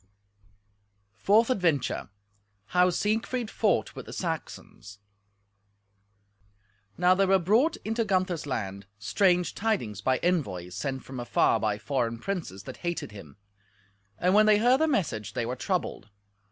Fourth Adventure How Siegfried Fought with the Saxons Now there were brought into Gunther's land strange tidings by envoys sent from afar by foreign princes that hated him; and when they heard the message they were troubled.